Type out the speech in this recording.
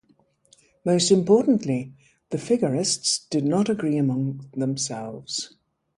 Most importantly, the Figurists did not agree among themselves.